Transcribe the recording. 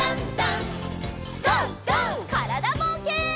からだぼうけん。